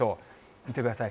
見てください。